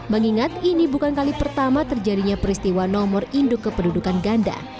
mengingat ini bukan kali pertama terjadinya peristiwa nomor induk kependudukan ganda